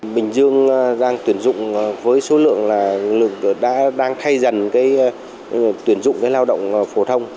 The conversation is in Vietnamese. bình dương đang tuyển dụng với số lượng là lực đang khay dần tuyển dụng lao động phổ thông